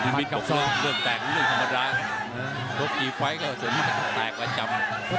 มันกับส่วนเรื่องแตกมันเรื่องธรรมดร้ายรบกี่ไฟท์ก็จะแตกแล้วจำ